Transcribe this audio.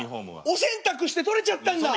お洗濯して取れちゃったんだ。